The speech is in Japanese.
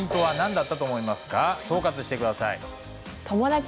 総括して下さい。